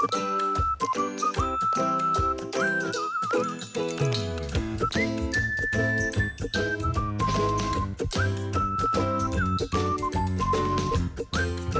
สวัสดีครับ